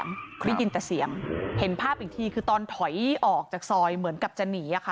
ได้ยินแต่เสียงเห็นภาพอีกทีคือตอนถอยออกจากซอยเหมือนกับจะหนีอะค่ะ